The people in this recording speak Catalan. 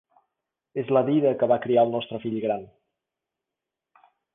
És la dida que va criar el nostre fill gran.